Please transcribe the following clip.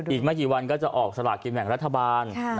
อีกไม่กี่วันก็จะออกสลากินแบ่งรัฐบาล